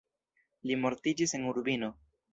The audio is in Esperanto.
Li mortiĝis en Urbino.